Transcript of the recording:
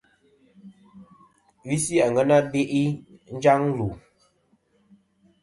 Visi àŋena be'i njaŋ lù.